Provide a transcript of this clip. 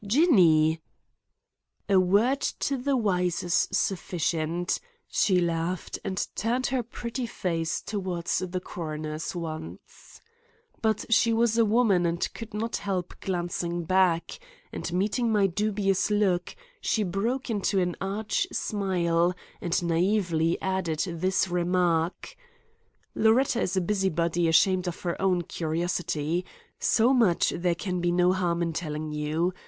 "Jinny!" "A word to the wise is sufficient;" she laughed and turned her pretty face toward the coroner's once. But she was a woman and could not help glancing back, and, meeting my dubious look, she broke into an arch smile and naively added this remark: "Loretta is a busybody ashamed of her own curiosity. So much there can be no harm in telling you.